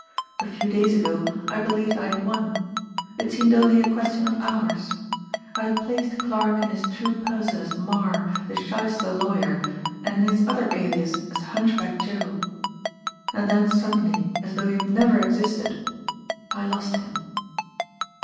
A few days ago I believed I had won ; it seemed only a question of hours. I had placed Clarke in his true person as Marre, the shyster lawyer, and in his other alias as Hunchback Joe. And then suddenly, as though he had never existed, I lost him.